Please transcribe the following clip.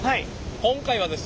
今回はですね